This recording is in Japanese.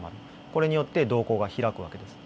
これによって瞳孔が開く訳です。